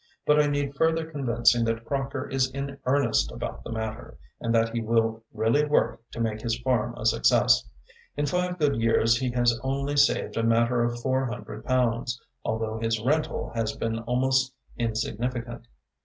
But I need further convincing that Crocker is in earnest about the matter, and that he will really work to make his farm a success. In five good years he has only saved a matter of four hundred pounds, although his rental has been almost insignificant.